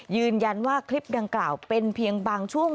ยืนยันว่าคลิปดังกล่าวเป็นเพียงบางช่วง